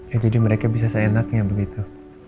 ya jadi mereka bisa seenaknya begitu